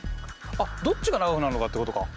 あっどっちが長くなるのかってことか。